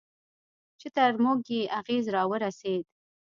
چې تر موږ یې اغېز راورسېد.